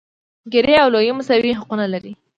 ګېري او لويي مساوي حقونه لري.